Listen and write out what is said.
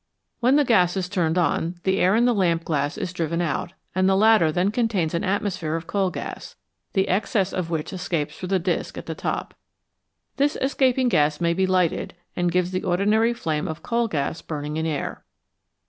When the gas is turned on, the air in the lamp glass is driven out, and the latter then contains an atmosphere of coal gas, the excess of which escapes through the disc at the top. This escaping gas may be lighted, and gives the ordinary flame of coal gas burning in air.